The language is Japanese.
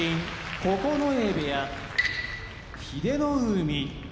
九重部屋英乃海